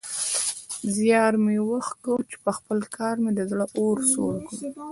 زيار مې وکيښ چې پخپل کار مې د زړه اور سوړ کړ.